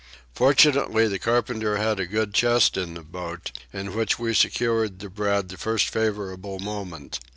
Fortunately the carpenter had a good chest in the boat, in which we secured the bread the first favourable moment.